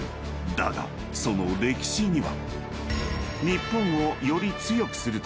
［だがその歴史には］